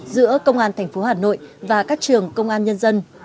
giữa công an thành phố hà nội và các trường công an nhân dân